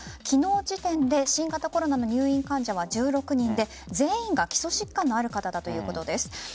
昨日時点で新型コロナの入院患者は１６人で全員が基礎疾患のある方だということです。